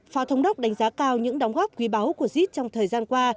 phó thống đốc đánh giá cao những đóng góp quý báu của zit trong thời gian qua